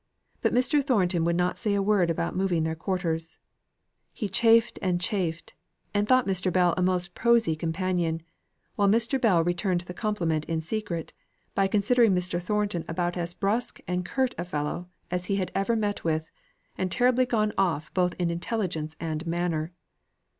But Mr. Thornton would not say a word about moving their quarters; he chafed and chafed, and thought Mr. Bell a most prosy companion; while Mr. Bell returned the compliment in secret, by considering Mr. Thornton about as brusque and curt a fellow as he had ever met with, and terribly gone off both in intelligence and manner.